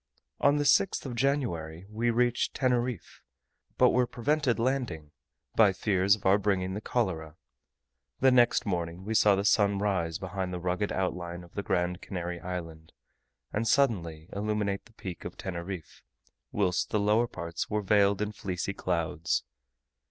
On the 6th of January we reached Teneriffe, but were prevented landing, by fears of our bringing the cholera: the next morning we saw the sun rise behind the rugged outline of the Grand Canary island, and suddenly illuminate the Peak of Teneriffe, whilst the lower parts were veiled in fleecy clouds.